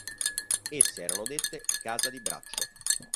Esse erano dette "Casa di Braccio".